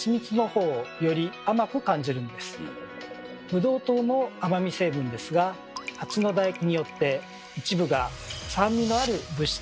ブドウ糖も甘み成分ですがハチのだ液によって一部が酸味のある物質に変わります。